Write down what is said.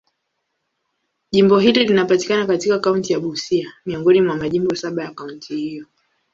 Jimbo hili linapatikana katika kaunti ya Busia, miongoni mwa majimbo saba ya kaunti hiyo.